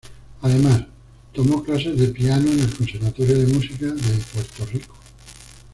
Además, tomó clases de piano en el Conservatorio de Música de Puerto Rico.